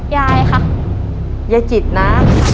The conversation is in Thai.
ยายค่ะยายจิตนะ